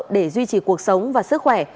để duy trì cuộc sống và sức khỏe